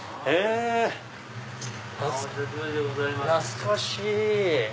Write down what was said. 懐かしい！